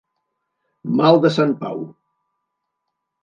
Mal de sant Pau.